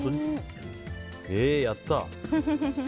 やった。